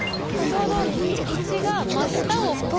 ちょうど道が真下を。